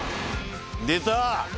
出た！